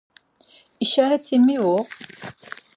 İşareti mivu.